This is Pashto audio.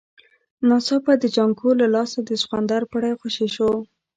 ناڅاپه د جانکو له لاسه د سخوندر پړی خوشی شو.